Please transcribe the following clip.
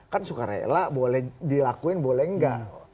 kan sukarela boleh dilakuin boleh enggak